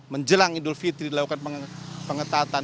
menjelang idul fitri dilakukan pengetatan